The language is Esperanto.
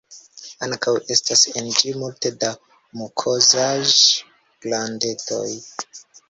Ankaŭ estas en ĝi multe da mukozaĵ-glandetoj.